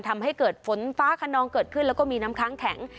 ทำให้เกิดฝนฟ้าขนองเกิดขึ้นแล้วก็มีน้ำค้างแข็ง